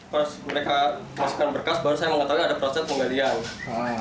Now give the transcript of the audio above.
pas mereka masukkan berkas baru saya mengetahui ada proses penggalian